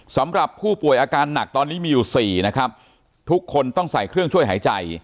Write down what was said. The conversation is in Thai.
สำหรับผู้ป่วยอาการหนักตอนนี้มีอยู่สี่นะครับทุกคนต้องใส่เครื่องช่วยหายใจ